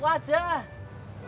di which dayaah ini okbrum